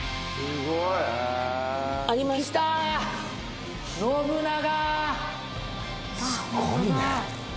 すごいね。